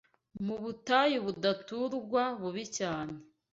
Mu butayu budaturwa bubi cyane